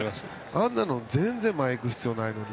あんなの全然前行く必要ないのに。